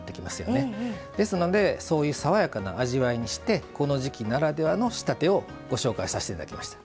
ですのでそういう爽やかな味わいにしてこの時季ならではの仕立てをご紹介させていただきました。